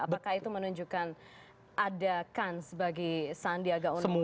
apakah itu menunjukkan adakan sebagai sandi agak unik untuk kembali